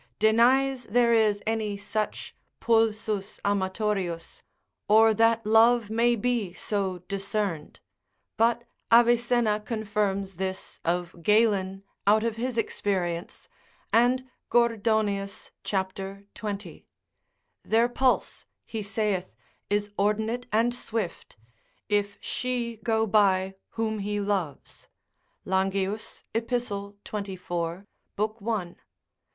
denies there is any such pulsus amatorius, or that love may be so discerned; but Avicenna confirms this of Galen out of his experience, lib. 3. Fen. 1. and Gordonius, cap. 20. Their pulse, he saith, is ordinate and swift, if she go by whom he loves, Langius, epist. 24. lib. 1. med. epist.